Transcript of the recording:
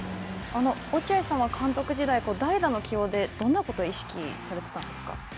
落合さんは監督時代、代打の起用でどんなことを意識されてたんですか。